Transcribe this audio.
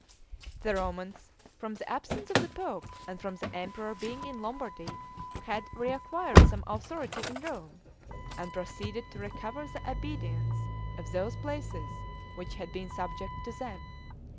The Romans, from the absence of the pope, and from the emperor being in Lombardy, had reacquired some authority in Rome, and proceeded to recover the obedience of those places which had been subject to them.